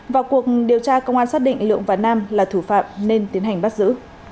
vào cuộc điều tra công an xác định lượng và nam là thủ phạm nên tiến hành bắt giữ